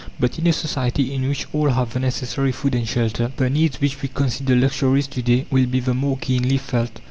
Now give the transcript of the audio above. But in a society in which all have the necessary food and shelter, the needs which we consider luxuries to day will be the more keenly felt.